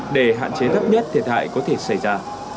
để hạn chế thấp nhất thiệt hại có thể xảy ra